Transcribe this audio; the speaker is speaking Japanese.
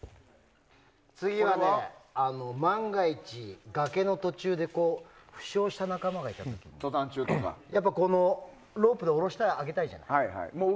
次は万が一、崖の途中で負傷した仲間がいた時にロープで下ろしてあげたいじゃない。